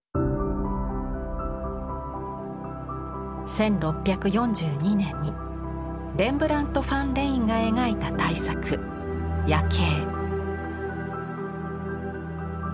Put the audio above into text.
１６４２年にレンブラント・ファン・レインが描いた大作「夜警」。